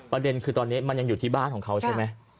ประเด็นคือตอนนี้มันยังอยู่ที่บ้านของเขาใช่ไหม